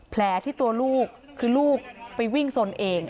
แผลที่ลูกไปวิ้งสนเอง